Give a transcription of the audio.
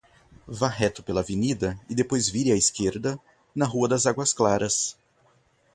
Vá reto pela Avenida e depois vire à esquerda, na Rua das Águas Claras.